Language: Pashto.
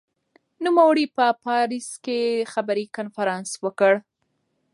نوموړي په پاریس کې خبري کنفرانس وکړ.